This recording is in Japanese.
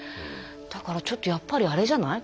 だからちょっとやっぱりアレじゃない？